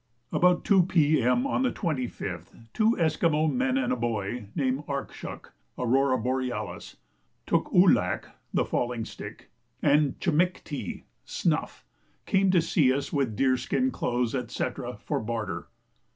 About 2 P.M. on the 25th, two Esquimaux men and a boy, named Arkshuk (Aurora Borealis), Took oo lak (the falling stick), and Che mik tee (snuff), came to see us with deer skin clothes, &c. for barter.